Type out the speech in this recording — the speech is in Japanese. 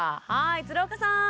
鶴岡さん。